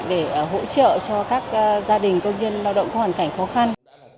để hỗ trợ cho các gia đình công nhân lao động có hoàn cảnh khó khăn